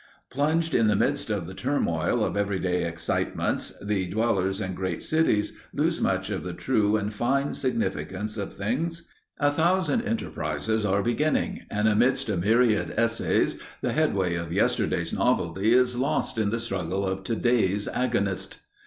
Plunged in the midst of the turmoil of every day excitements, the dwellers in great cities lose much of the true and fine significance of things. A thousand enterprises are beginning, and amidst a myriad essays the headway of yesterday's novelty is lost in the struggle of today's agonists.